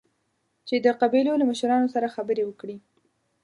چې د قبيلو له مشرانو سره خبرې وکړي.